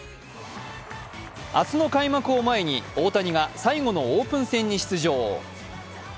明日の開幕を前に大谷が最後のオープン戦に出場。